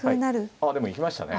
あっでも行きましたね。